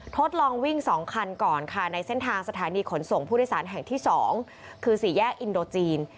ทดลองวิ่ง๒คันก่อนค่ะในเส้นทางสถานีขนส่งผู้โดยสารแห่งที่๒คือ๔แยกอินโดจีน